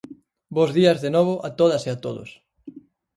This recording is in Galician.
Bos días de novo a todas e a todos.